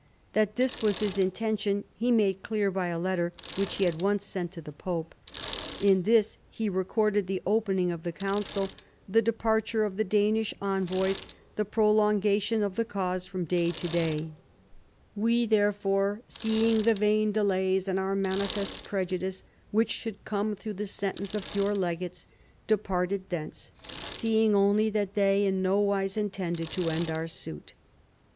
That this was his intention he made clear by a letter which he at once sent to the pope. In this he recorded the opening of the council, the departure of the Danish envoys, the prolongation of the cause from day to day. vi PHILIP AND THE PAPACY 173 " We, therefore, seeing the vain delays and our manifest prejudice which should come through the sentence of your legates, departed thence, seeing only that they in no wise intended to end our suit."